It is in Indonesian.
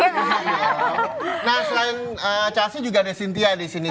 nah selain chelsea juga ada cynthia disini